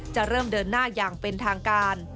จะเริ่มเดินหน้าอย่างเป็นทางการ